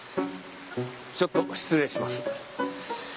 ちょっと失礼します。